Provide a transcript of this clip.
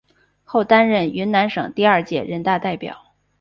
后担任云南省第二届人大代表。